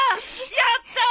やったー！